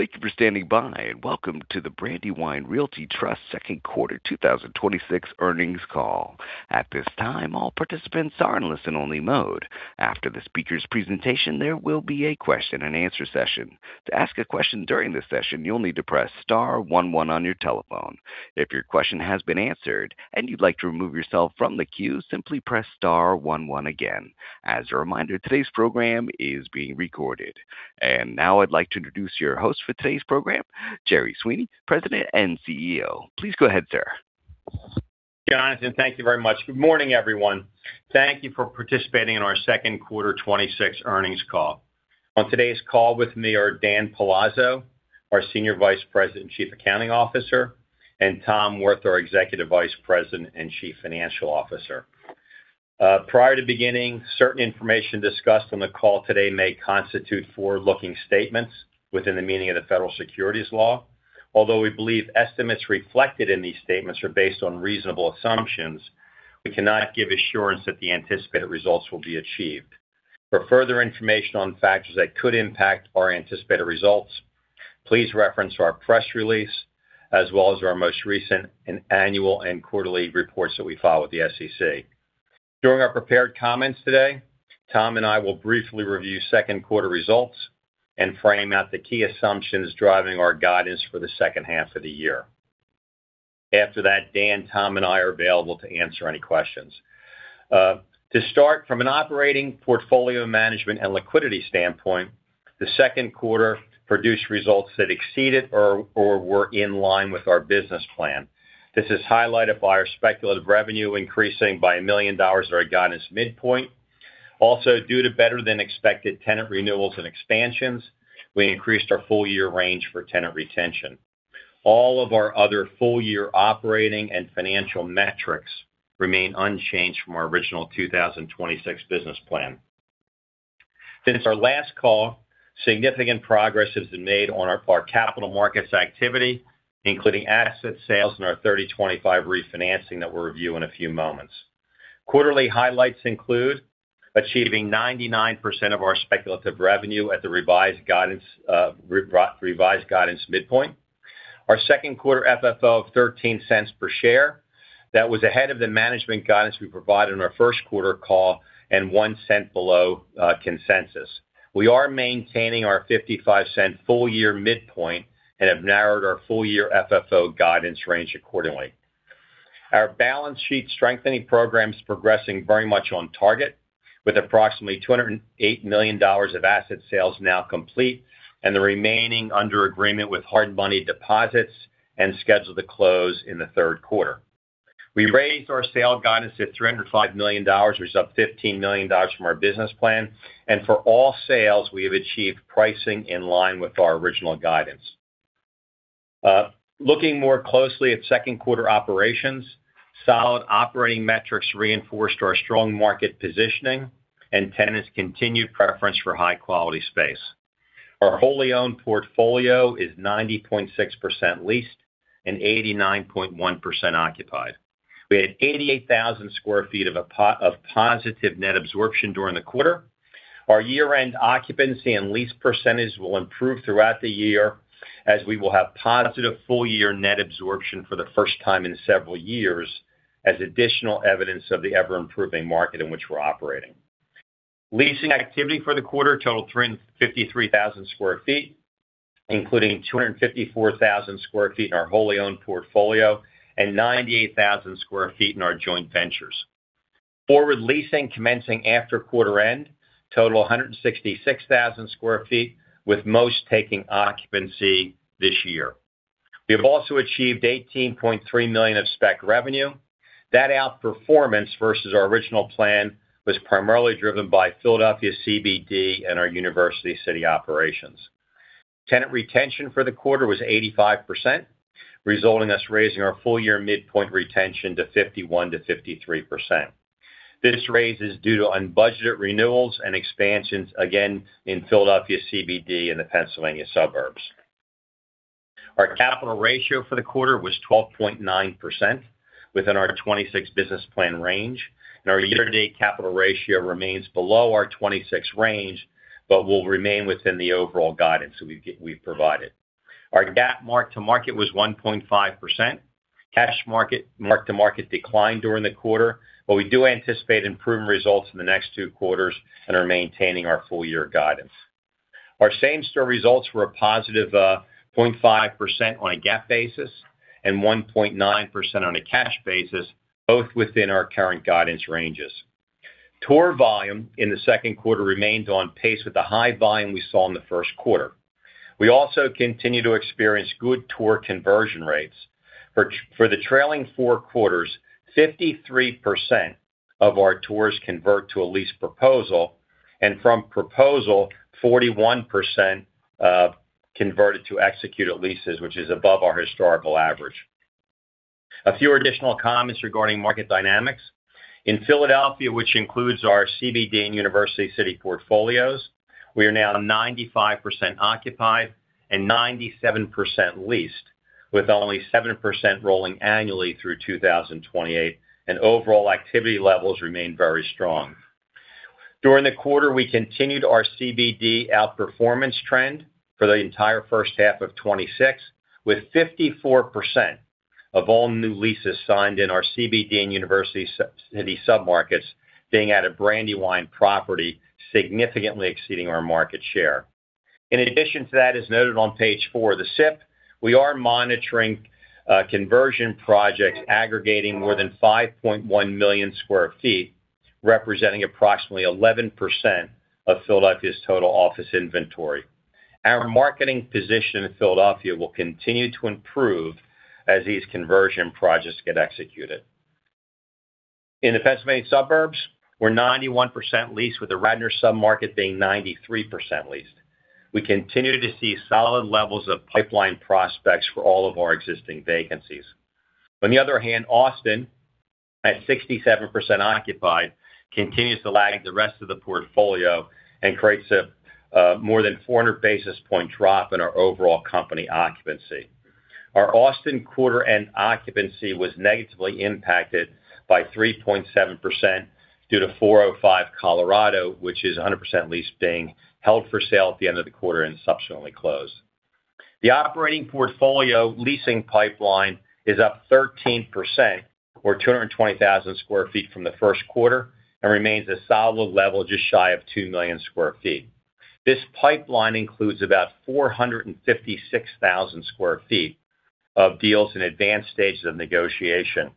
Thank you for standing by, and welcome to the Brandywine Realty Trust second quarter 2026 earnings call. At this time, all participants are in listen-only mode. After the speaker's presentation, there will be a question-and-answer session. To ask a question during the session, you'll need to press star one one on your telephone. If your question has been answered and you'd like to remove yourself from the queue, simply press star one one again. As a reminder, today's program is being recorded. Now I'd like to introduce your host for today's program, Jerry Sweeney, President and CEO. Please go ahead, sir. Jonathan, thank you very much. Good morning, everyone. Thank you for participating in our second quarter 2026 earnings call. On today's call with me are Dan Palazzo, our Senior Vice President and Chief Accounting Officer, and Tom Wirth, our Executive Vice President and Chief Financial Officer. Prior to beginning, certain information discussed on the call today may constitute forward-looking statements within the meaning of the federal securities law. Although we believe estimates reflected in these statements are based on reasonable assumptions, we cannot give assurance that the anticipated results will be achieved. For further information on factors that could impact our anticipated results, please reference our press release as well as our most recent and annual and quarterly reports that we file with the SEC. During our prepared comments today, Tom and I will briefly review second quarter results and frame out the key assumptions driving our guidance for the second half of the year. After that, Dan, Tom, and I are available to answer any questions. To start from an operating portfolio management and liquidity standpoint, the second quarter produced results that exceeded or were in line with our business plan. This is highlighted by our speculative revenue increasing by $1 million our guidance midpoint. Also, due to better than expected tenant renewals and expansions, we increased our full-year range for tenant retention. All of our other full-year operating and financial metrics remain unchanged from our original 2026 business plan. Since our last call, significant progress has been made on our capital markets activity, including asset sales and our 3025 refinancing that we'll review in a few moments. Quarterly highlights include achieving 99% of our speculative revenue at the revised guidance midpoint. Our second quarter FFO of $0.13 per share. That was ahead of the management guidance we provided on our first quarter call and $0.01 below consensus. We are maintaining our $0.55 full year midpoint and have narrowed our full year FFO guidance range accordingly. Our balance sheet strengthening program's progressing very much on target with approximately $208 million of asset sales now complete and the remaining under agreement with hard money deposits and scheduled to close in the third quarter. We raised our sale guidance to $305 million, which is up $15 million from our business plan. For all sales, we have achieved pricing in line with our original guidance. Looking more closely at second quarter operations, solid operating metrics reinforced our strong market positioning and tenants' continued preference for high-quality space. Our wholly owned portfolio is 90.6% leased and 89.1% occupied. We had 88,000 sq ft of positive net absorption during the quarter. Our year-end occupancy and lease percentage will improve throughout the year as we will have positive full-year net absorption for the first time in several years as additional evidence of the ever improving market in which we're operating. Leasing activity for the quarter totaled 353,000 sq ft, including 254,000 sq ft in our wholly owned portfolio and 98,000 sq ft in our joint ventures. Forward leasing commencing after quarter-end totaled 166,000 sq ft, with most taking occupancy this year. We have also achieved $18.3 million of spec revenue. That outperformance versus our original plan was primarily driven by Philadelphia CBD and our University City operations. Tenant retention for the quarter was 85%, resulting in us raising our full-year midpoint retention to 51%-53%. This raise is due to unbudgeted renewals and expansions, again in Philadelphia CBD and the Pennsylvania suburbs. Our capital ratio for the quarter was 12.9% within our 2026 business plan range. Our year-to-date capital ratio remains below our 2026 range, but will remain within the overall guidance that we've provided. Our GAAP mark-to-market was 1.5%. Cash market mark-to-market declined during the quarter. But we do anticipate improving results in the next two quarters and are maintaining our full-year guidance. Our same store results were a positive 0.5% on a GAAP basis and 1.9% on a cash basis, both within our current guidance ranges. Tour volume in the second quarter remained on pace with the high volume we saw in the first quarter. We also continue to experience good tour conversion rates. For the trailing four quarters, 53% of our tours convert to a lease proposal, and from proposal, 41% converted to executed leases, which is above our historical average. A few additional comments regarding market dynamics. In Philadelphia, which includes our CBD and University City portfolios, we are now 95% occupied and 97% leased, with only 7% rolling annually through 2028, and overall activity levels remain very strong. During the quarter, we continued our CBD outperformance trend for the entire first half of 2026, with 54% of all new leases signed in our CBD and University City submarkets being at a Brandywine property, significantly exceeding our market share. In addition to that, as noted on page four of the SIP, we are monitoring conversion projects aggregating more than 5.1 million sq ft, representing approximately 11% of Philadelphia's total office inventory. Our marketing position in Philadelphia will continue to improve as these conversion projects get executed. In the Pennsylvania suburbs, we're 91% leased, with the Radnor submarket being 93% leased. We continue to see solid levels of pipeline prospects for all of our existing vacancies. On the other hand, Austin, at 67% occupied, continues to lag the rest of the portfolio and creates a more than 400 basis point drop in our overall company occupancy. Our Austin quarter-end occupancy was negatively impacted by 3.7% due to 405 Colorado, which is 100% leased, being held for sale at the end of the quarter and subsequently closed. The operating portfolio leasing pipeline is up 13%, or 220,000 square feet from the first quarter, and remains a solid level just shy of 2 million sq ft. This pipeline includes about 456,000 sq ft of deals in advanced stages of negotiation.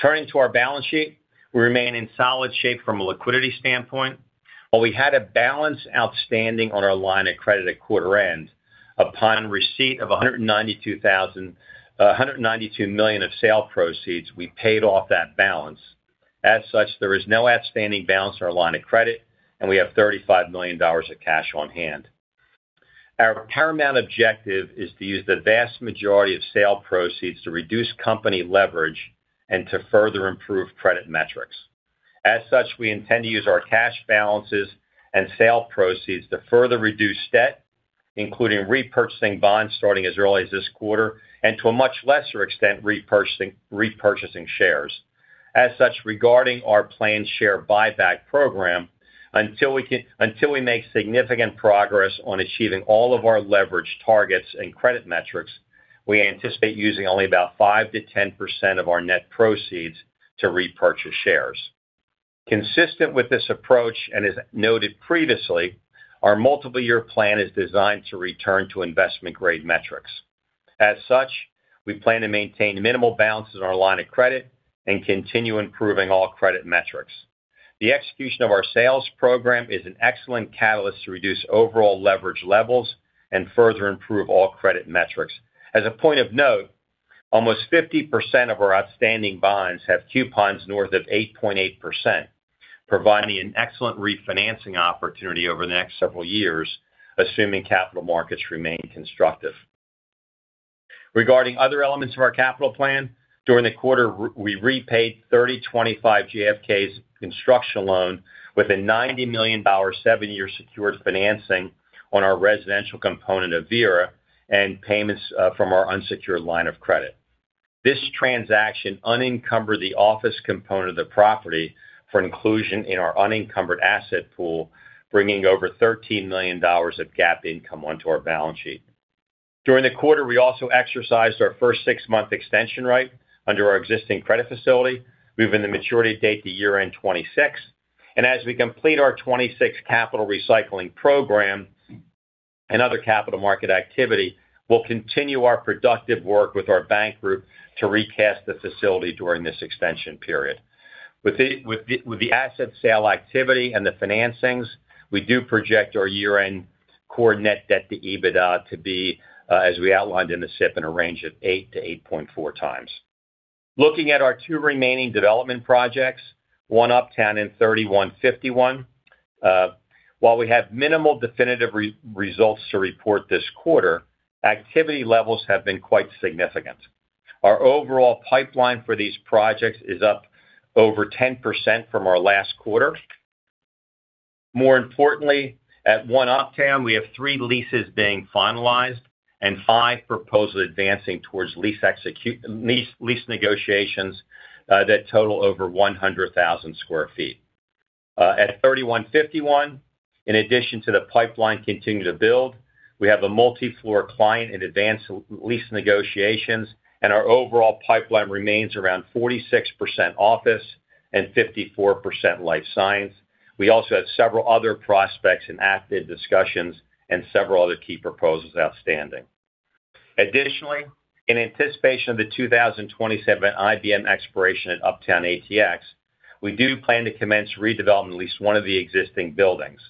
Turning to our balance sheet, we remain in solid shape from a liquidity standpoint. While we had a balance outstanding on our line of credit at quarter end, upon receipt of $192 million of sale proceeds, we paid off that balance. As such, there is no outstanding balance on our line of credit, and we have $35 million of cash on hand. Our paramount objective is to use the vast majority of sale proceeds to reduce company leverage and to further improve credit metrics. We intend to use our cash balances and sale proceeds to further reduce debt, including repurchasing bonds starting as early as this quarter, and to a much lesser extent, repurchasing shares. Regarding our planned share buyback program, until we make significant progress on achieving all of our leverage targets and credit metrics, we anticipate using only about 5%-10% of our net proceeds to repurchase shares. Consistent with this approach, and as noted previously, our multiple-year plan is designed to return to investment-grade metrics. We plan to maintain minimal balances on our line of credit and continue improving all credit metrics. The execution of our sales program is an excellent catalyst to reduce overall leverage levels and further improve all credit metrics. As a point of note, almost 50% of our outstanding bonds have coupons north of 8.8%, providing an excellent refinancing opportunity over the next several years, assuming capital markets remain constructive. Regarding other elements of our capital plan, during the quarter, we repaid 3025 JFK's construction loan with a $90 million seven years secured financing on our residential component of Avira and payments from our unsecured line of credit. This transaction unencumbered the office component of the property for inclusion in our unencumbered asset pool, bringing over $13 million of GAAP income onto our balance sheet. During the quarter, we also exercised our first six-month extension right under our existing credit facility, moving the maturity date to year-end 2026. As we complete our 2026 capital recycling program and other capital market activity, we'll continue our productive work with our bank group to recast the facility during this extension period. With the asset sale activity and the financings, we do project our year-end core net debt to EBITDA to be, as we outlined in the SIP, in a range of 8-8.4 times. Looking at our two remaining development projects, One Uptown and 3151, while we have minimal definitive results to report this quarter, activity levels have been quite significant. Our overall pipeline for these projects is up over 10% from our last quarter. More importantly, at One Uptown, we have three leases being finalized and five proposals advancing towards lease negotiations that total over 100,000 sq ft. At 3151, in addition to the pipeline continuing to build, we have a multi-floor client in advanced lease negotiations, and our overall pipeline remains around 46% office and 54% life science. We also have several other prospects in active discussions and several other key proposals outstanding. Additionally, in anticipation of the 2027 IBM expiration at Uptown ATX, we do plan to commence redeveloping at least one of the existing buildings.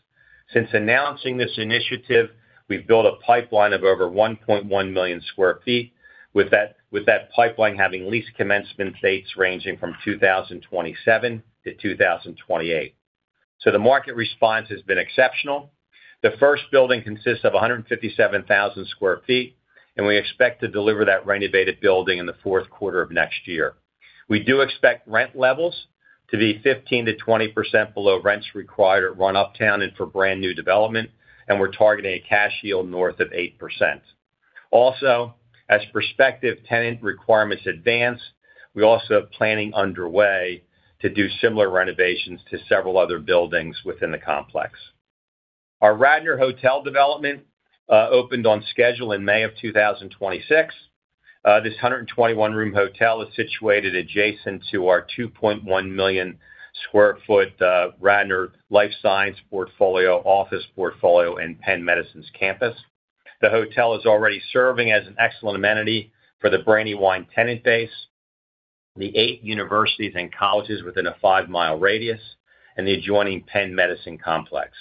Since announcing this initiative, we've built a pipeline of over 1.1 million sq ft, with that pipeline having lease commencement dates ranging from 2027-2028. The market response has been exceptional. The first building consists of 157,000 sq ft, and we expect to deliver that renovated building in the fourth quarter of next year. We do expect rent levels to be 15%-20% below rents required at One Uptown and for brand-new development, and we're targeting a cash yield north of 8%. As prospective tenant requirements advance, we also have planning underway to do similar renovations to several other buildings within the complex. Our Radnor Hotel development opened on schedule in May 2026. This 121-room hotel is situated adjacent to our 2.1 million sq ft Radnor Life Science portfolio, office portfolio in Penn Medicine's campus. The hotel is already serving as an excellent amenity for the Brandywine tenant base, the eight universities and colleges within a 5-mile radius, and the adjoining Penn Medicine complex.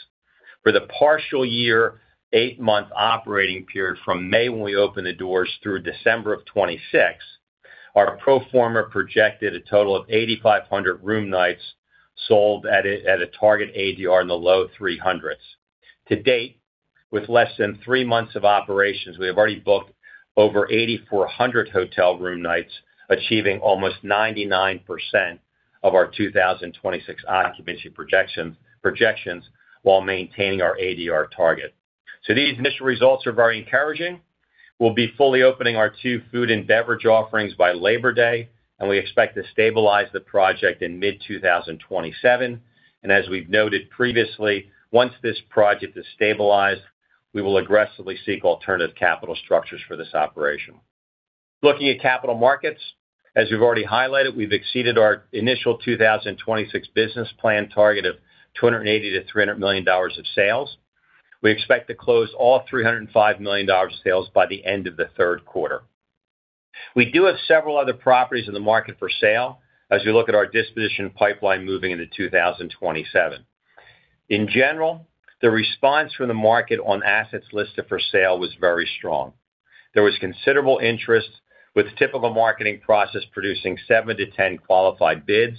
For the partial year, 8-month operating period from May, when we opened the doors through December 2026, our pro forma projected a total of 8,500 room nights sold at a target ADR in the low 300s. To date, with less than 3 months of operations, we have already booked over 8,400 hotel room nights, achieving almost 99% of our 2026 occupancy projections while maintaining our ADR target. These initial results are very encouraging. We'll be fully opening our two food and beverage offerings by Labor Day, and we expect to stabilize the project in mid-2027. As we've noted previously, once this project is stabilized, we will aggressively seek alternative capital structures for this operation. Looking at capital markets, as we've already highlighted, we've exceeded our initial 2026 business plan target of $280 million-$300 million of sales. We expect to close all $305 million of sales by the end of the third quarter. We do have several other properties in the market for sale as we look at our disposition pipeline moving into 2027. In general, the response from the market on assets listed for sale was very strong. There was considerable interest with the typical marketing process producing 7-10 qualified bids.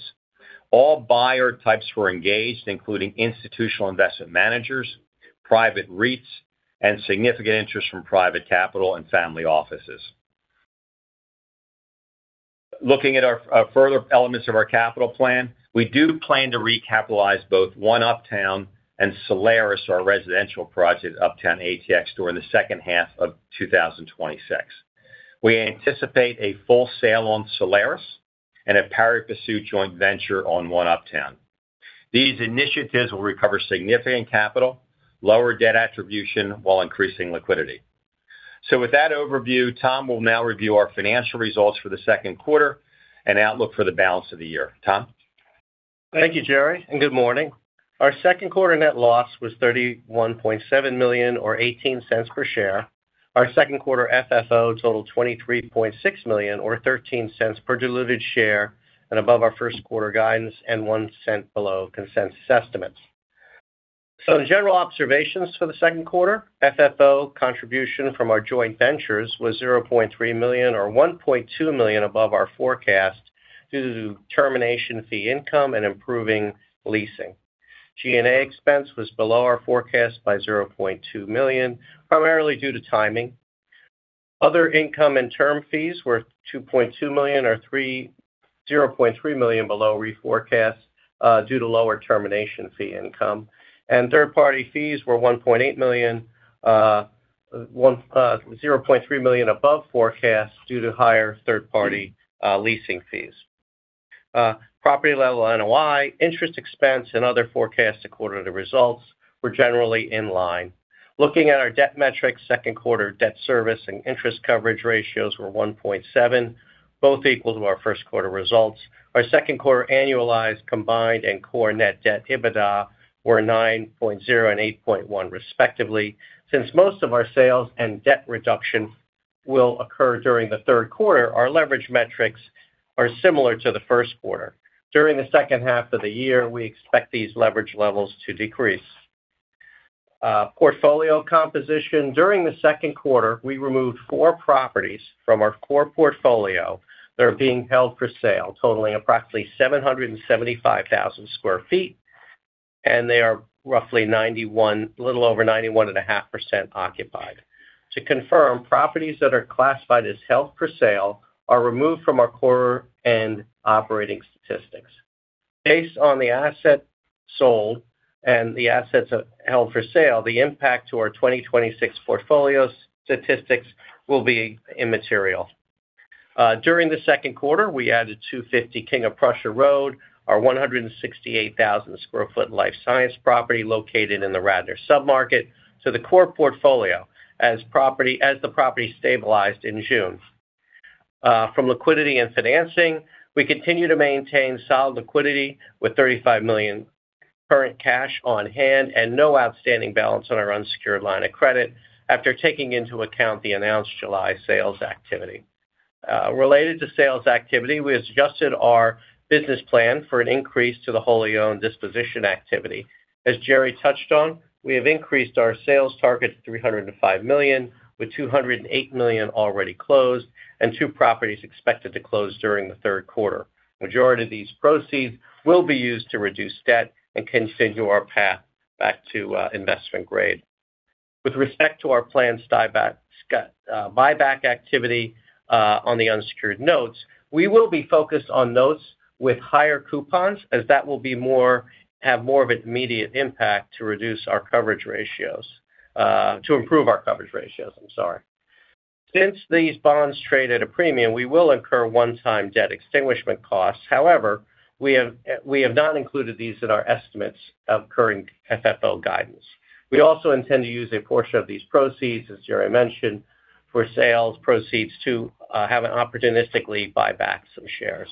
All buyer types were engaged, including institutional investment managers, private REITs, and significant interest from private capital and family offices. Looking at further elements of our capital plan, we do plan to recapitalize both One Uptown and Solaris, our residential project, Uptown ATX, during the second half of 2026. We anticipate a full sale on Solaris and a pari passu joint venture on One Uptown. These initiatives will recover significant capital, lower debt attribution while increasing liquidity. With that overview, Tom will now review our financial results for the second quarter and outlook for the balance of the year. Tom? Thank you, Jerry, and good morning. Our second quarter net loss was $31.7 million, or $0.18 per share. Our second quarter FFO totaled $23.6 million, or $0.13 per diluted share, above our first quarter guidance and $0.01 below consensus estimates. The general observations for the second quarter, FFO contribution from our joint ventures was $0.3 million or $1.2 million above our forecast due to termination fee income and improving leasing. G&A expense was below our forecast by $0.2 million, primarily due to timing. Other income and term fees were $2.2 million or $0.3 million below reforecast due to lower termination fee income. Third-party fees were $1.8 million, $0.3 million above forecast due to higher third-party leasing fees. Property-level NOI, interest expense and other forecasts according to results were generally in line. Looking at our debt metrics, second quarter debt service and interest coverage ratios were 1.7, both equal to our first quarter results. Our second quarter annualized combined and core net debt EBITDA were 9.0 and 8.1, respectively. Most of our sales and debt reduction will occur during the third quarter, our leverage metrics are similar to the first quarter. During the second half of the year, we expect these leverage levels to decrease. Portfolio composition. During the second quarter, we removed four properties from our core portfolio that are being held for sale, totaling approximately 775,000 sq ft. They are roughly a little over 91.5% occupied. To confirm, properties that are classified as held for sale are removed from our core end operating statistics. Based on the asset sold and the assets held for sale, the impact to our 2026 portfolio statistics will be immaterial. During the second quarter, we added 250 King of Prussia Road, our 168,000 sq ft life science property located in the Radnor submarket. The core portfolio as the property stabilized in June. From liquidity and financing, we continue to maintain solid liquidity with $35 million current cash on hand and no outstanding balance on our unsecured line of credit after taking into account the announced July sales activity. Related to sales activity, we adjusted our business plan for an increase to the wholly owned disposition activity. As Jerry touched on, we have increased our sales target to $305 million with $208 million already closed and two properties expected to close during the third quarter. Majority of these proceeds will be used to reduce debt and continue our path back to investment grade. With respect to our planned buyback activity on the unsecured notes, we will be focused on notes with higher coupons as that will have more of an immediate impact to improve our coverage ratios. These bonds trade at a premium, we will incur one-time debt extinguishment costs. However, we have not included these in our estimates of current FFO guidance. We also intend to use a portion of these proceeds, as Jerry mentioned, for sales proceeds to have an opportunistically buy back some shares.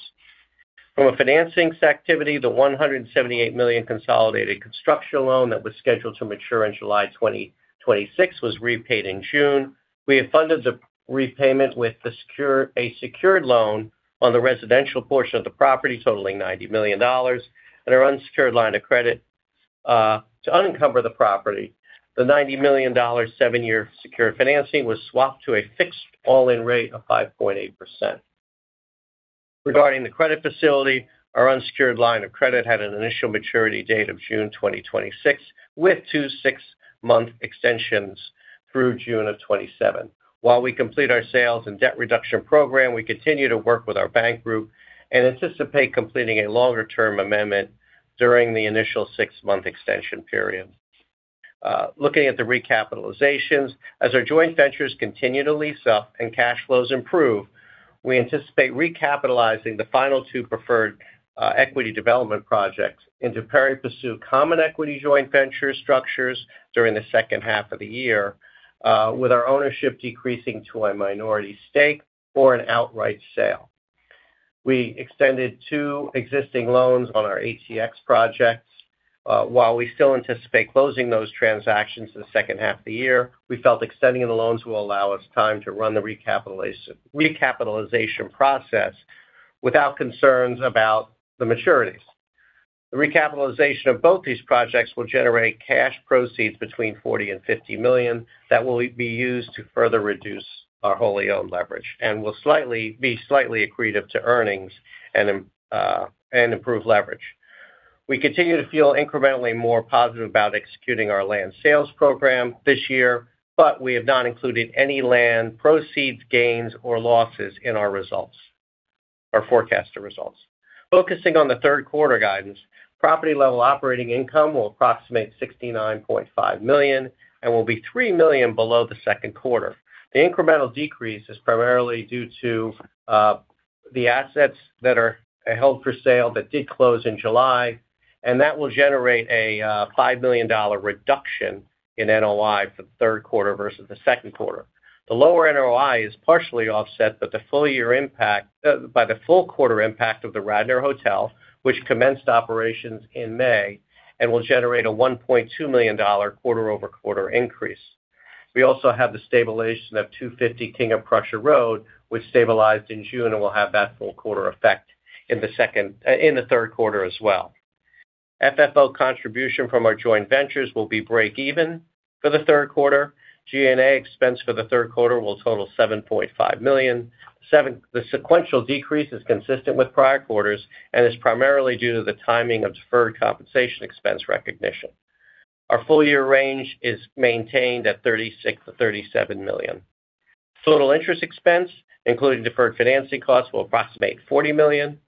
From a financing activity, the $178 million consolidated construction loan that was scheduled to mature in July 2026 was repaid in June. We have funded the repayment with a secured loan on the residential portion of the property totaling $90 million, and our unsecured line of credit to unencumber the property. The $90 million seven-year secured financing was swapped to a fixed all-in rate of 5.8%. Regarding the credit facility, our unsecured line of credit had an initial maturity date of June 2026, with two six-month extensions through June 2027. While we complete our sales and debt reduction program, we continue to work with our bank group and anticipate completing a longer-term amendment during the initial six-month extension period. Looking at the recapitalizations. As our joint ventures continue to lease up and cash flows improve, we anticipate recapitalizing the final two preferred equity development projects into pari passu common equity joint venture structures during the second half of the year with our ownership decreasing to a minority stake or an outright sale. We extended two existing loans on our ATX projects. While we still anticipate closing those transactions in the second half of the year, we felt extending the loans will allow us time to run the recapitalization process without concerns about the maturities. The recapitalization of both these projects will generate cash proceeds between $40 million and $50 million that will be used to further reduce our wholly owned leverage and will be slightly accretive to earnings and improve leverage. We continue to feel incrementally more positive about executing our land sales program this year, but we have not included any land proceeds, gains, or losses in our results or forecasted results. Focusing on the third quarter guidance, property-level operating income will approximate $69.5 million and will be $3 million below the second quarter. The incremental decrease is primarily due to the assets that are held for sale that did close in July, and that will generate a $5 million reduction in NOI for the third quarter versus the second quarter. The lower NOI is partially offset by the full quarter impact of the Radnor Hotel, which commenced operations in May and will generate a $1.2 million quarter-over-quarter increase. We also have the stabilization of 250 King of Prussia Road, which stabilized in June and will have that full quarter effect in the third quarter as well. FFO contribution from our joint ventures will be break even for the third quarter. G&A expense for the third quarter will total $7.5 million. The sequential decrease is consistent with prior quarters and is primarily due to the timing of deferred compensation expense recognition. Our full-year range is maintained at $36 million-$37 million. Total interest expense, including deferred financing costs, will approximate $40 million,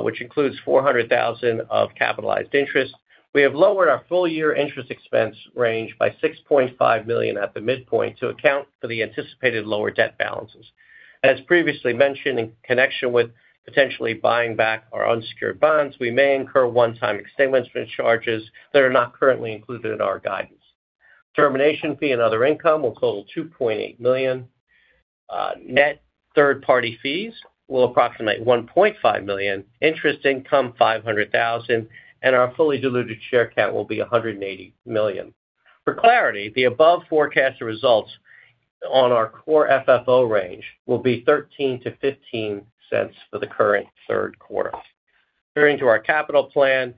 which includes $400,000 of capitalized interest. We have lowered our full-year interest expense range by $6.5 million at the midpoint to account for the anticipated lower debt balances. As previously mentioned, in connection with potentially buying back our unsecured bonds, we may incur one-time extinguishment charges that are not currently included in our guidance. Termination fee and other income will total $2.8 million. Net third-party fees will approximate $1.5 million. Interest income, $500,000, and our fully diluted share count will be 180 million. For clarity, the above forecasted results on our core FFO range will be $0.13-$0.15 for the current third quarter. Turning to our capital plan.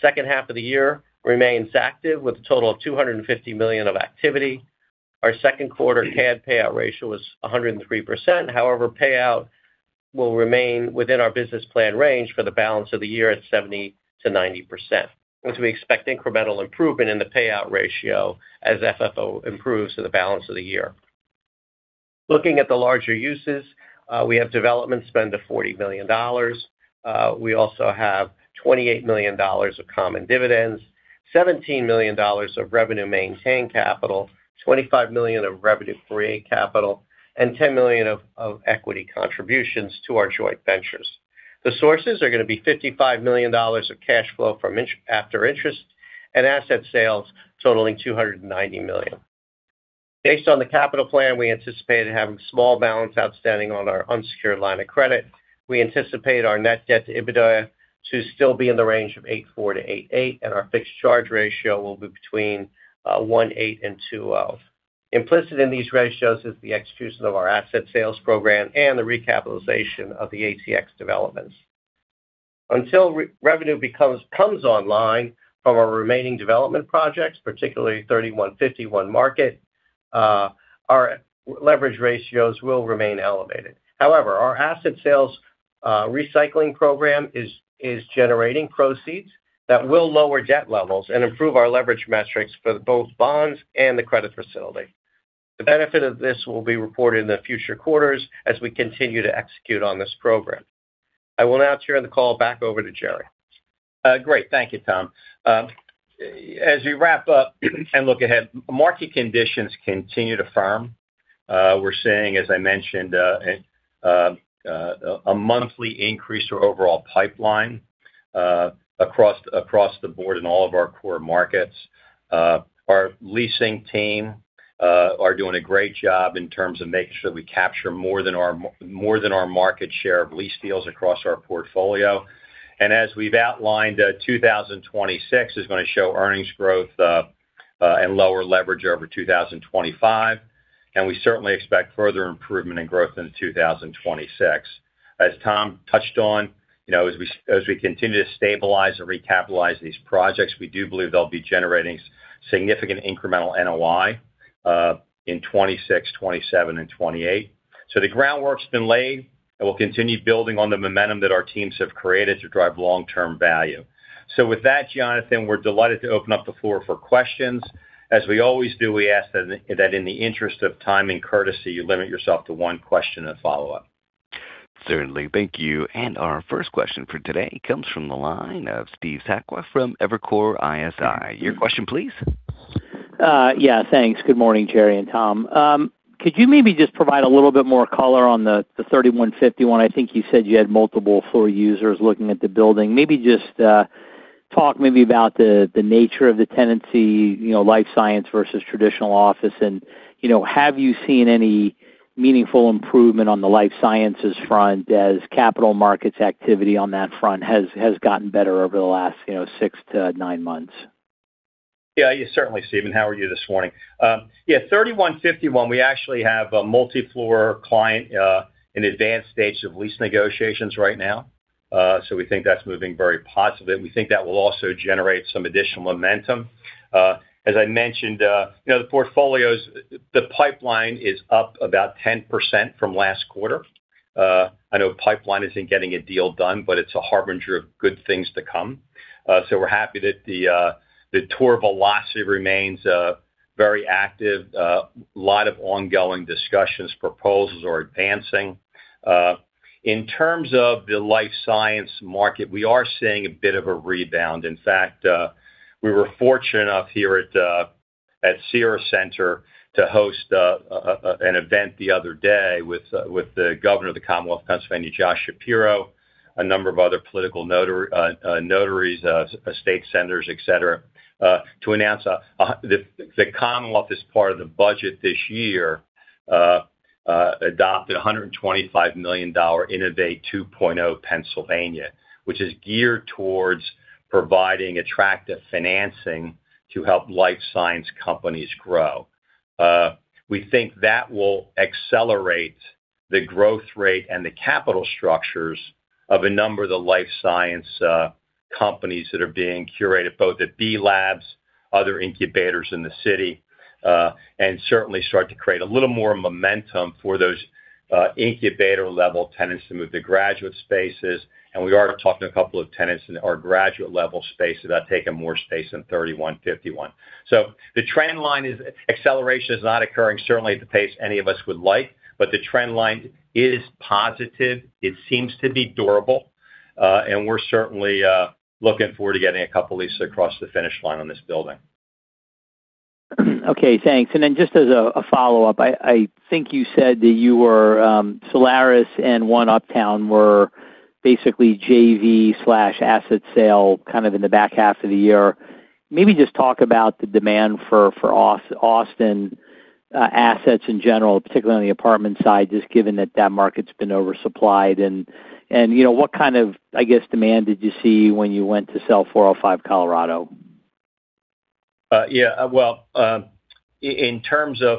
Second half of the year remains active with a total of $250 million of activity. Our second quarter CAD payout ratio was 103%. Payout will remain within our business plan range for the balance of the year at 70%-90%, which we expect incremental improvement in the payout ratio as FFO improves for the balance of the year. Looking at the larger uses, we have development spend of $40 million. We also have $28 million of common dividends, $17 million of revenue maintained capital, $25 million of revenue creative capital, and $10 million of equity contributions to our joint ventures. The sources are going to be $55 million of cash flow from after interest and asset sales totaling $290 million. Based on the capital plan, we anticipate having small balance outstanding on our unsecured line of credit. We anticipate our net debt to EBITDA to still be in the range of 8.4-8.8, and our fixed charge ratio will be between 1.8 and 2.0. Implicit in these ratios is the execution of our asset sales program and the recapitalization of the ATX developments. Until revenue comes online from our remaining development projects, particularly 3151 Market, our leverage ratios will remain elevated. Our asset sales recycling program is generating proceeds that will lower debt levels and improve our leverage metrics for both bonds and the credit facility. The benefit of this will be reported in the future quarters as we continue to execute on this program. I will now turn the call back over to Jerry. Great. Thank you, Tom. As we wrap up and look ahead, market conditions continue to firm. We're seeing, as I mentioned, a monthly increase to our overall pipeline across the board in all of our core markets. Our leasing team are doing a great job in terms of making sure we capture more than our market share of lease deals across our portfolio. As we've outlined, 2026 is going to show earnings growth and lower leverage over 2025. We certainly expect further improvement in growth into 2026. As Tom touched on, as we continue to stabilize and recapitalize these projects, we do believe they'll be generating significant incremental NOI in 2026, 2027, and 2028. The groundwork's been laid, and we'll continue building on the momentum that our teams have created to drive long-term value. With that, Jonathan, we're delighted to open up the floor for questions. As we always do, we ask that in the interest of time and courtesy, you limit yourself to one question and follow-up. Certainly. Thank you. Our first question for today comes from the line of Steve Sakwa from Evercore ISI. Your question, please. Yeah, thanks. Good morning, Jerry and Tom. Could you maybe just provide a little bit more color on the 3151? I think you said you had multiple floor users looking at the building. Maybe just talk maybe about the nature of the tenancy, life science versus traditional office. Have you seen any meaningful improvement on the life sciences front as capital markets activity on that front has gotten better over the last six to nine months? Yeah. Certainly, Steve. How are you this morning? Yeah, 3151, we actually have a multi-floor client in advanced stage of lease negotiations right now. We think that's moving very positively. We think that will also generate some additional momentum. As I mentioned, the pipeline is up about 10% from last quarter. I know pipeline isn't getting a deal done, but it's a harbinger of good things to come. We're happy that the tour velocity remains very active. A lot of ongoing discussions, proposals are advancing. In terms of the life science market, we are seeing a bit of a rebound. In fact, we were fortunate enough here at Cira Centre to host an event the other day with the Governor of the Commonwealth of Pennsylvania, Josh Shapiro, a number of other political notaries, state senators, et cetera, to announce the Commonwealth as part of the budget this year, adopted $125 million Innovate in PA 2.0, which is geared towards providing attractive financing to help life science companies grow. We think that will accelerate the growth rate and the capital structures of a number of the life science companies that are being curated, both at B+labs, other incubators in the city, and certainly start to create a little more momentum for those incubator-level tenants to move to graduate spaces. We are talking to a couple of tenants in our graduate-level spaces about taking more space in 3151. The trend line is acceleration is not occurring certainly at the pace any of us would like, but the trend line is positive. It seems to be durable. We're certainly looking forward to getting a couple of leases across the finish line on this building. Okay, thanks. Just as a follow-up, I think you said that Solaris and One Uptown were basically JV/asset sale kind of in the back half of the year. Maybe just talk about the demand for Austin assets in general, particularly on the apartment side, just given that that market's been oversupplied. What kind of demand did you see when you went to sell 405 Colorado? Well, in terms of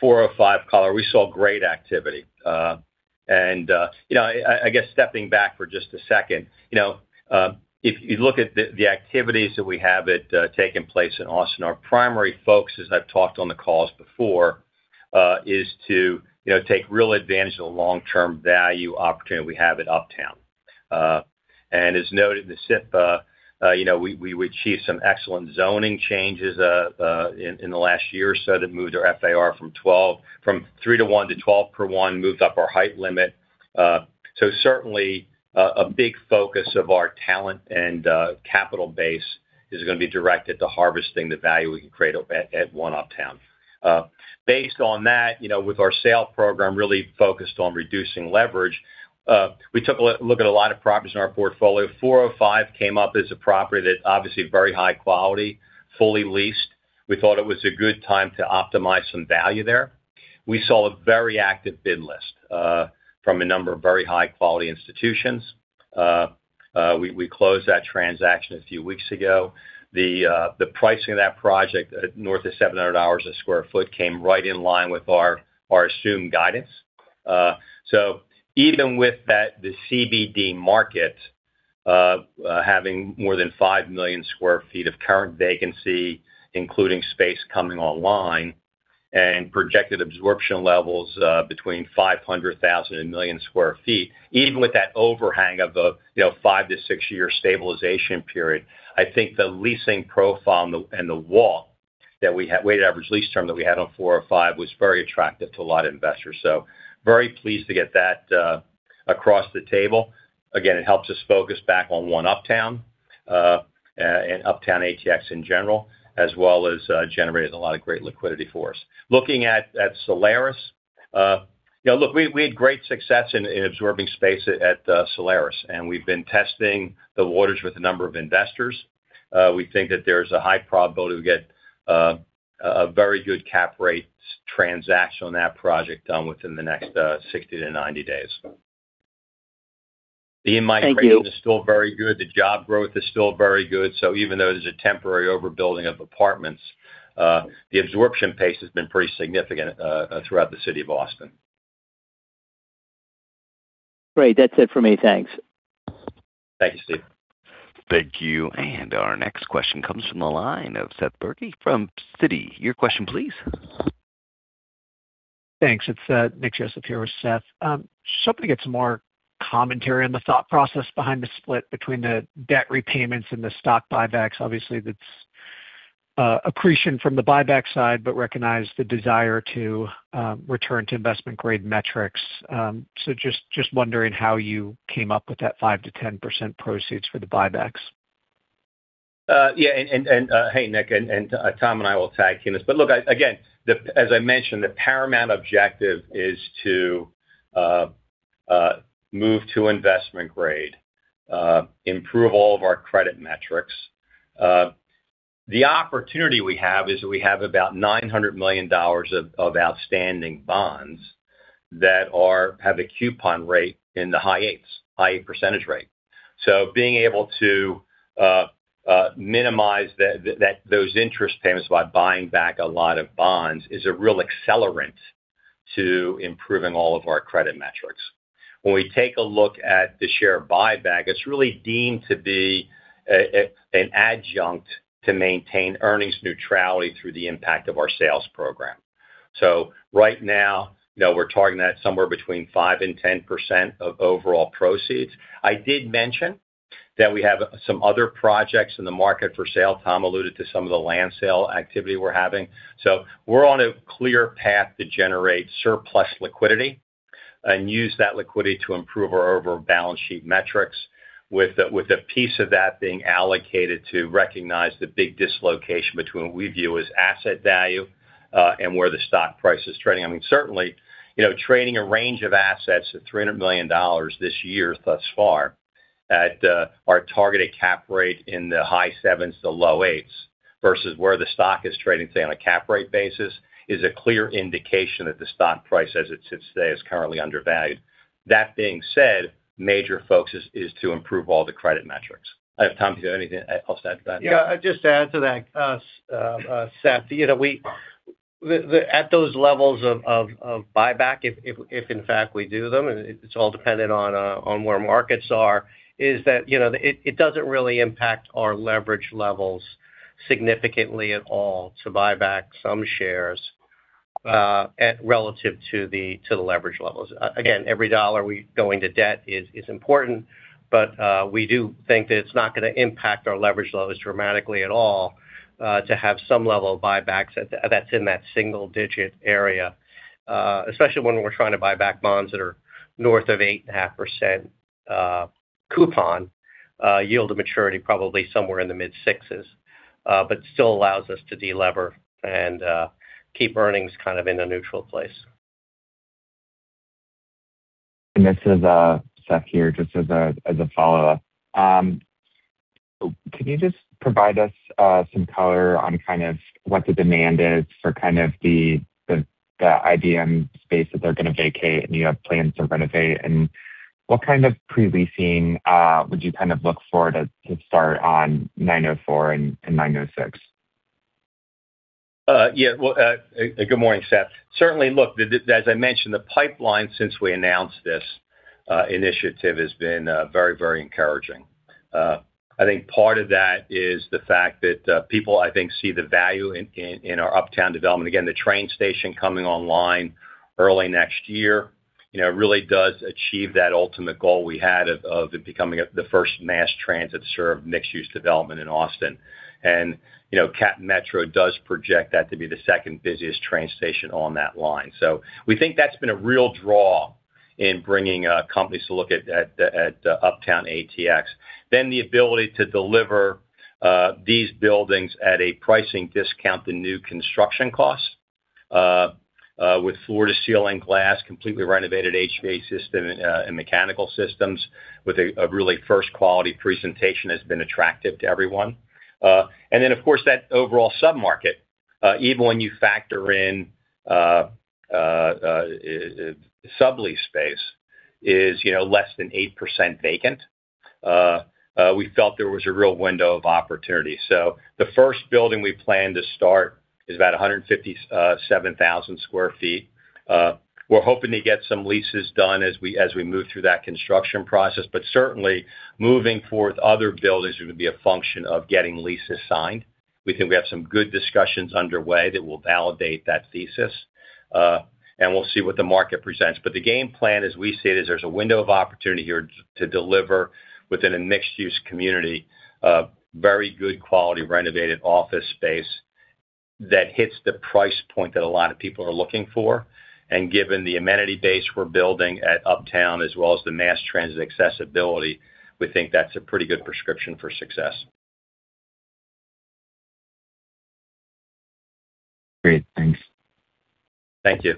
405 Colorado, we saw great activity. I guess stepping back for just a second, if you look at the activities that we have taken place in Austin, our primary focus, as I've talked on the calls before, is to take real advantage of the long-term value opportunity we have at Uptown. As noted in the SIP, we achieved some excellent zoning changes in the last year or so that moved our FAR from 3:1 to 12:1, moved up our height limit. Certainly, a big focus of our talent and capital base is going to be directed to harvesting the value we can create at One Uptown. Based on that, with our sale program really focused on reducing leverage, we took a look at a lot of properties in our portfolio. 405 came up as a property that's obviously very high quality, fully leased. We thought it was a good time to optimize some value there. We saw a very active bid list from a number of very high-quality institutions. We closed that transaction a few weeks ago. The pricing of that project, north of $700 sq ft, came right in line with our assumed guidance. Even with the CBD market having more than 5 million sq ft of current vacancy, including space coming online and projected absorption levels between 500,000 and 1 million sq ft, even with that overhang of the five- to six-year stabilization period, I think the leasing profile and the weighted average lease term that we had on 405 was very attractive to a lot of investors. Very pleased to get that across the table. It helps us focus back on One Uptown, and Uptown ATX in general, as well as generating a lot of great liquidity for us. Looking at Solaris. Look, we had great success in absorbing space at Solaris, and we've been testing the waters with a number of investors. We think that there's a high probability to get a very good cap rate transaction on that project done within the next 60-90 days. Thank you. The migration is still very good. The job growth is still very good. Even though there's a temporary overbuilding of apartments, the absorption pace has been pretty significant throughout the city of Austin. Great. That's it for me. Thanks. Thanks, Steve. Thank you. Our next question comes from the line of Seth Bergey from Citi. Your question, please. Thanks. It's Nick Joseph here with Seth. Just hoping to get some more commentary on the thought process behind the split between the debt repayments and the stock buybacks. Obviously, that's accretion from the buyback side, but recognize the desire to return to investment-grade metrics. Just wondering how you came up with that 5%-10% proceeds for the buybacks. Yeah. Hey, Nick, Tom and I will tag-team this. Look, again, as I mentioned, the paramount objective is to move to investment grade, improve all of our credit metrics. The opportunity we have is we have about $900 million of outstanding bonds that have a coupon rate in the high eights, high eight percentage rate. Being able to minimize those interest payments by buying back a lot of bonds is a real accelerant to improving all of our credit metrics. When we take a look at the share buyback, it's really deemed to be an adjunct to maintain earnings neutrality through the impact of our sales program. Right now, we're targeting that somewhere between 5%-10% of overall proceeds. I did mention that we have some other projects in the market for sale. Tom alluded to some of the land sale activity we're having. We're on a clear path to generate surplus liquidity and use that liquidity to improve our overall balance sheet metrics, with a piece of that being allocated to recognize the big dislocation between what we view as asset value and where the stock price is trading. I mean, certainly, trading a range of assets at $300 million this year thus far at our targeted cap rate in the high sevens to low eights versus where the stock is trading, say, on a cap rate basis, is a clear indication that the stock price as it sits today is currently undervalued. That being said, major focus is to improve all the credit metrics. Tom, do you have anything else to add to that? I'd just add to that, Seth. At those levels of buyback, if in fact we do them, and it's all dependent on where markets are, is that it doesn't really impact our leverage levels significantly at all to buy back some shares, relative to the leverage levels. Again, every dollar we go into debt is important, but we do think that it's not going to impact our leverage levels dramatically at all to have some level of buybacks that's in that single-digit area, especially when we're trying to buy back bonds that are north of 8.5% coupon, yield to maturity probably somewhere in the mid-sixes. Still allows us to de-lever and keep earnings kind of in a neutral place. This is Seth here, just as a follow-up. Can you just provide us some color on kind of what the demand is for kind of the IBM space that they're going to vacate, and you have plans to renovate, and what kind of pre-leasing would you kind of look for to start on 904 and 906? Good morning, Seth. Certainly, look, as I mentioned, the pipeline since we announced this initiative has been very encouraging. I think part of that is the fact that people, I think, see the value in our Uptown development. Again, the train station coming online early next year really does achieve that ultimate goal we had of it becoming the first mass transit-served mixed-use development in Austin. CapMetro does project that to be the second busiest train station on that line. We think that's been a real draw in bringing companies to look at Uptown ATX. The ability to deliver these buildings at a pricing discount, the new construction costs, with floor-to-ceiling glass, completely renovated HVAC system, and mechanical systems with a really first-quality presentation has been attractive to everyone. Of course, that overall sub-market, even when you factor in sublease space, is less than 8% vacant. We felt there was a real window of opportunity. The first building we plan to start is about 157,000 sq ft. We're hoping to get some leases done as we move through that construction process, but certainly moving forward, other buildings are going to be a function of getting leases signed. We think we have some good discussions underway that will validate that thesis. We'll see what the market presents. The game plan as we see it, is there's a window of opportunity here to deliver within a mixed-use community a very good quality renovated office space that hits the price point that a lot of people are looking for. Given the amenity base we're building at Uptown as well as the mass transit accessibility, we think that's a pretty good prescription for success. Great. Thanks. Thank you.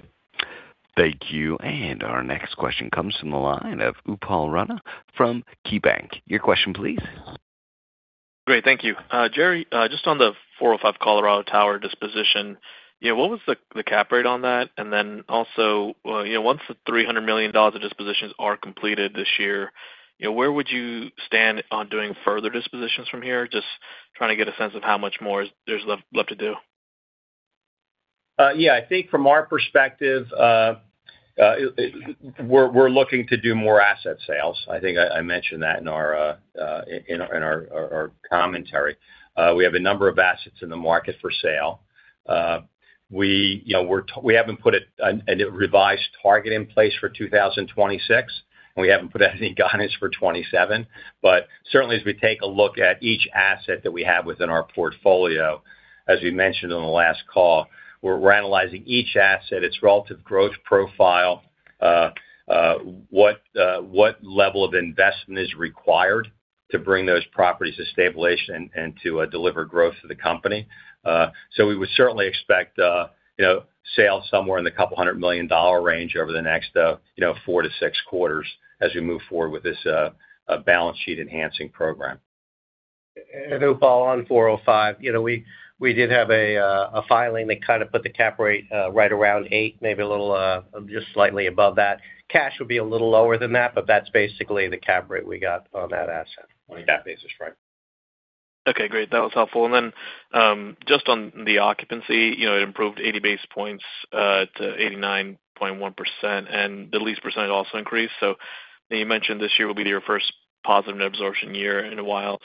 Thank you. Our next question comes from the line of Upal Rana from KeyBank. Your question, please. Great. Thank you. Jerry, on the 405 Colorado Tower disposition, what was the cap rate on that? Also, once the $300 million of dispositions are completed this year, where would you stand on doing further dispositions from here? Trying to get a sense of how much more there's left to do. I think from our perspective, we're looking to do more asset sales. I think I mentioned that in our commentary. We have a number of assets in the market for sale. We haven't put a revised target in place for 2026, we haven't put out any guidance for 2027. Certainly, as we take a look at each asset that we have within our portfolio, as we mentioned on the last call, we're analyzing each asset, its relative growth profile, what level of investment is required to bring those properties to stabilization and to deliver growth to the company. We would certainly expect sales somewhere in the $200 million range over the next four to six quarters as we move forward with this balance sheet enhancing program. Upal, on 405, we did have a filing that kind of put the cap rate right around 8%, maybe a little slightly above that. Cash will be a little lower than that's basically the cap rate we got on that asset. On a cap basis, right. Okay, great. That was helpful. Just on the occupancy, it improved 80 basis points to 89.1%, and the lease percentage also increased. You mentioned this year will be your first positive net absorption year in a while.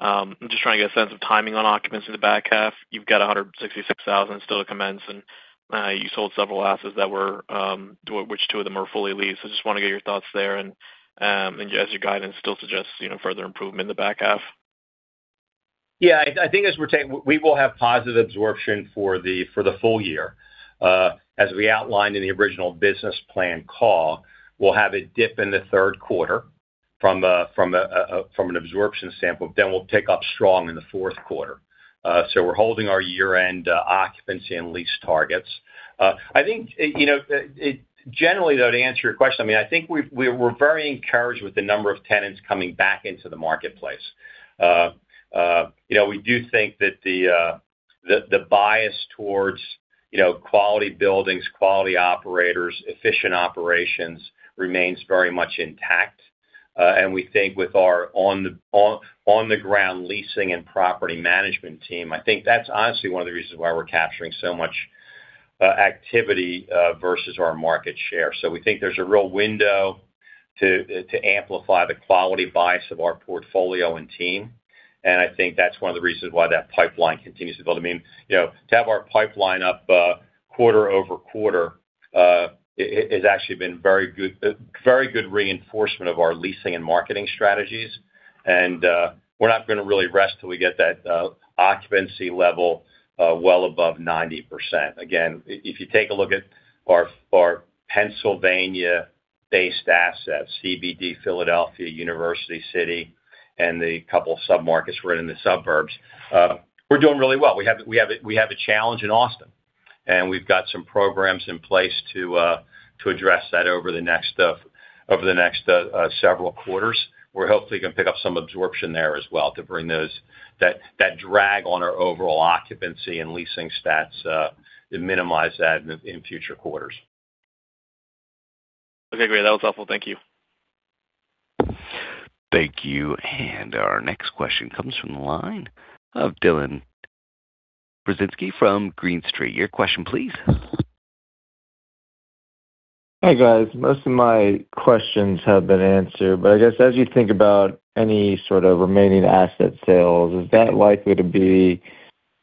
I'm just trying to get a sense of timing on occupants in the back half. You've got 166,000 still to commence, and you sold several assets, which two of them are fully leased. Just want to get your thoughts there and does your guidance still suggests further improvement in the back half? Yeah, I think we will have positive absorption for the full year. As we outlined in the original business plan call, we'll have a dip in the third quarter from an absorption standpoint, then we'll pick up strong in the fourth quarter. We're holding our year-end occupancy and lease targets. I think, generally, though, to answer your question, I think we're very encouraged with the number of tenants coming back into the marketplace. We do think that the bias towards quality buildings, quality operators, efficient operations remains very much intact. We think with our on-the-ground leasing and property management team, I think that's honestly one of the reasons why we're capturing so much activity versus our market share. We think there's a real window to amplify the quality bias of our portfolio and team, and I think that's one of the reasons why that pipeline continues to build. To have our pipeline up quarter-over-quarter has actually been very good reinforcement of our leasing and marketing strategies. We're not going to really rest till we get that occupancy level well above 90%. Again, if you take a look at our Pennsylvania-based assets, CBD Philadelphia, University City, and the couple of submarkets we're in in the suburbs, we're doing really well. We have a challenge in Austin, and we've got some programs in place to address that over the next several quarters. We're hopefully going to pick up some absorption there as well to bring that drag on our overall occupancy and leasing stats to minimize that in future quarters. Okay, great. That was helpful. Thank you. Thank you. Our next question comes from the line of Dylan Burzinski from Green Street. Your question, please. Hey, guys. Most of my questions have been answered, I guess as you think about any sort of remaining asset sales, is that likely to be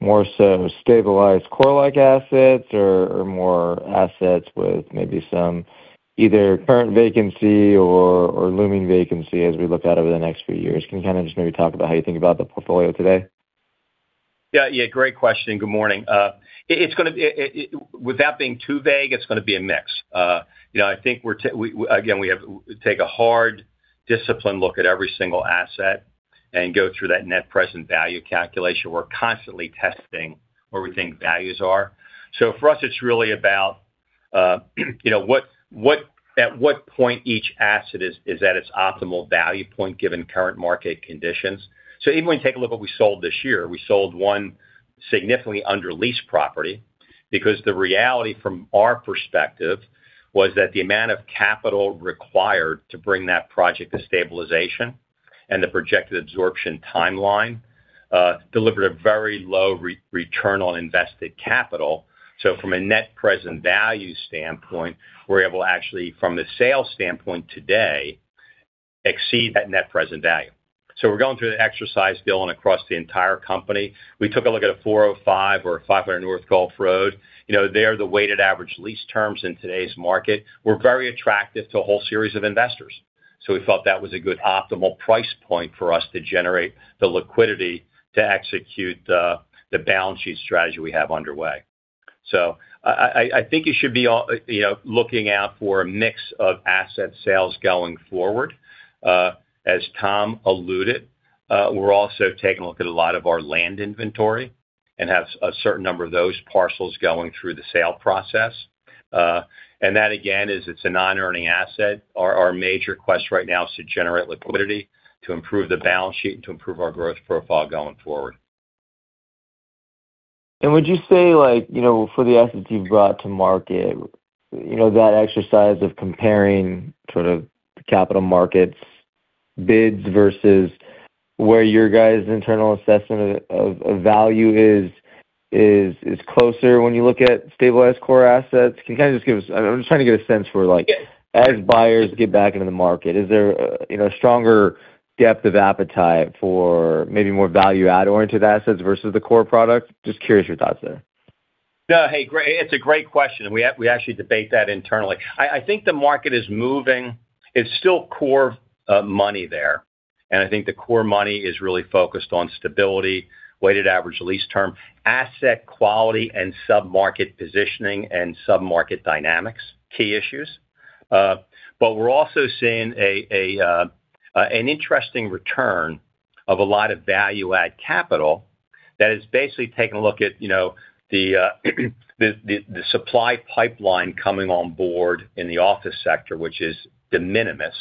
more so stabilized core-like assets or more assets with maybe some either current vacancy or looming vacancy as we look out over the next few years? Can you kind of just maybe talk about how you think about the portfolio today? Great question. Good morning. Without being too vague, it's going to be a mix. Again, we take a hard discipline look at every single asset and go through that net present value calculation. We're constantly testing where we think values are. For us, it's really about at what point each asset is at its optimal value point given current market conditions. Even when you take a look at what we sold this year, we sold one significantly under-leased property because the reality from our perspective was that the amount of capital required to bring that project to stabilization and the projected absorption timeline delivered a very low return on invested capital. From a net present value standpoint, we're able actually from the sales standpoint today exceed that net present value. We're going through the exercise, Dylan, across the entire company. We took a look at 405 or 500 North Gulph Road. There, the weighted average lease terms in today's market were very attractive to a whole series of investors. We thought that was a good optimal price point for us to generate the liquidity to execute the balance sheet strategy we have underway. I think you should be looking out for a mix of asset sales going forward. As Tom alluded, we are also taking a look at a lot of our land inventory and have a certain number of those parcels going through the sale process. And that, again, is it is a non-earning asset. Our major quest right now is to generate liquidity, to improve the balance sheet, and to improve our growth profile going forward. Would you say for the assets you've brought to market, that exercise of comparing sort of the capital markets bids versus where your guys' internal assessment of value is closer when you look at stabilized core assets? Can you kind of just give us? I am just trying to get a sense for, as buyers get back into the market, is there a stronger depth of appetite for maybe more value-add oriented assets versus the core product? Just curious your thoughts there. No, hey, it's a great question, and we actually debate that internally. I think the market is moving. It's still core money there, and I think the core money is really focused on stability, weighted average lease term, asset quality, and sub-market positioning and sub-market dynamics, key issues. But we are also seeing an interesting return of a lot of value-add capital that is basically taking a look at the supply pipeline coming on board in the office sector, which is de minimis,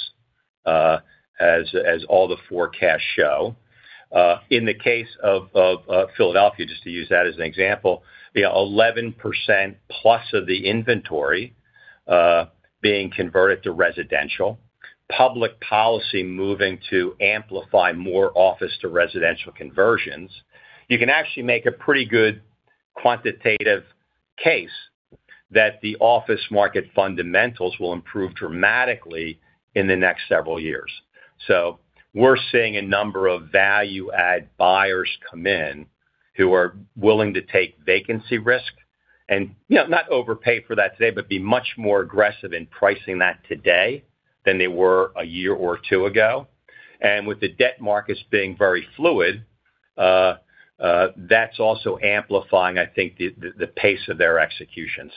as all the forecasts show. In the case of Philadelphia, just to use that as an example, 11%-plus of the inventory being converted to residential, public policy moving to amplify more office-to-residential conversions. You can actually make a pretty good quantitative case that the office market fundamentals will improve dramatically in the next several years. We're seeing a number of value-add buyers come in who are willing to take vacancy risk and not overpay for that today, but be much more aggressive in pricing that today than they were a year or two ago. And with the debt markets being very fluid, that is also amplifying, I think, the pace of their execution.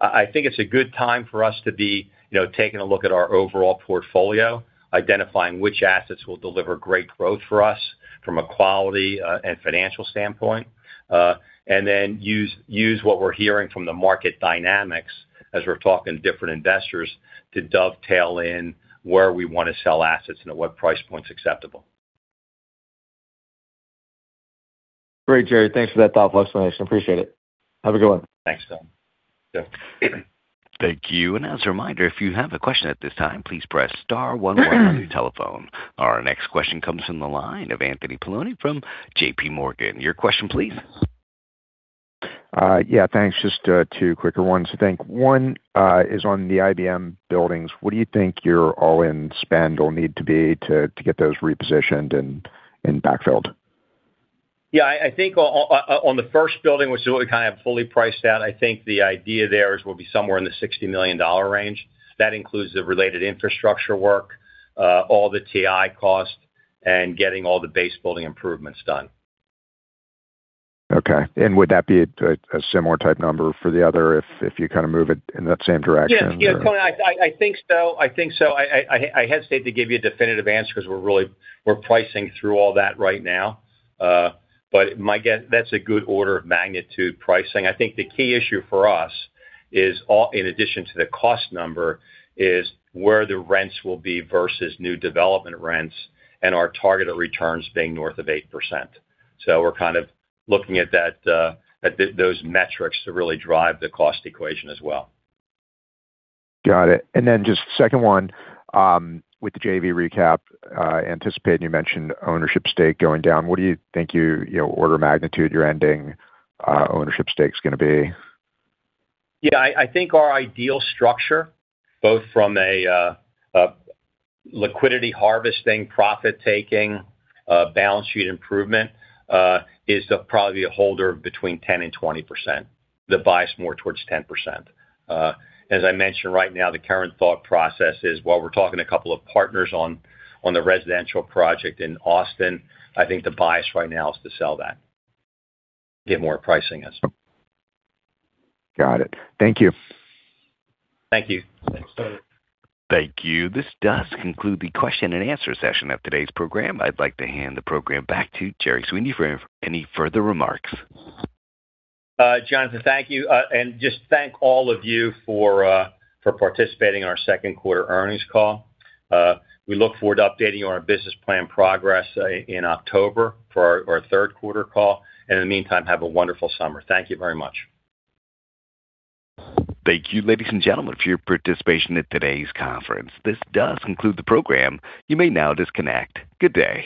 I think it's a good time for us to be taking a look at our overall portfolio, identifying which assets will deliver great growth for us from a quality and financial standpoint. And then use what we're hearing from the market dynamics as we're talking to different investors to dovetail in where we want to sell assets and at what price points acceptable. Great, Jerry. Thanks for that thoughtful explanation. Appreciate it. Have a good one. Thanks, Dylan. Yep. Thank you. As a reminder, if you have a question at this time, please press star one on your telephone. Our next question comes from the line of Anthony Paolone from JPMorgan. Your question, please. Yeah. Thanks. Just two quicker ones, I think. One is on the IBM buildings. What do you think your all-in spend will need to be to get those repositioned and backfilled? Yeah, I think on the first building, which is what we kind of fully priced out, I think the idea there is we'll be somewhere in the $60 million range. That includes the related infrastructure work, all the TI cost, and getting all the base building improvements done. Okay. Would that be a similar type number for the other if you kind of move it in that same direction, or? Yeah, Anthony, I think so. I hesitate to give you a definitive answer because we're pricing through all that right now. My guess, that's a good order of magnitude pricing. I think the key issue for us, in addition to the cost number, is where the rents will be versus new development rents and our targeted returns being north of 8%. We're kind of looking at those metrics to really drive the cost equation as well. Got it. Just second one, with the JV recap anticipate, and you mentioned ownership stake going down. What do you think order of magnitude your ending ownership stake's going to be? Yeah, I think our ideal structure, both from a liquidity harvesting, profit-taking, balance sheet improvement, is to probably be a holder of between 10% and 20%, the bias more towards 10%. As I mentioned right now, the current thought process is while we're talking to a couple of partners on the residential project in Austin, I think the bias right now is to sell that, get more pricing for us. Got it. Thank you. Thank you. Thank you. This does conclude the question and answer session of today's program. I'd like to hand the program back to Jerry Sweeney for any further remarks. Jonathan, thank you. Just thank all of you for participating in our second quarter earnings call. We look forward to updating you on our business plan progress in October for our third quarter call. In the meantime, have a wonderful summer. Thank you very much. Thank you, ladies and gentlemen, for your participation in today's conference. This does conclude the program. You may now disconnect. Good day.